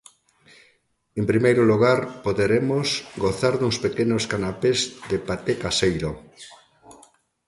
En primeiro lugar, poderemos gozar duns pequenos canapés de paté caseiro.